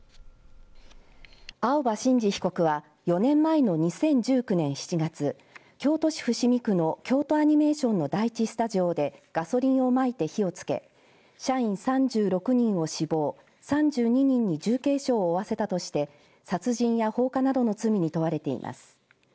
青葉真司被告は４年前の２０１９年７月京都市伏見区の京都アニメーションの第１スタジオでガソリンをまいて火をつけ社員３６人を死亡３２人に重軽傷を負わせたとして殺人や放火などの罪に問われています。